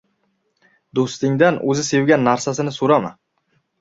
• Do‘stingdan o‘zi sevgan narsasini so‘rama.